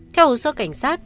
theo hồ sơ cảnh sát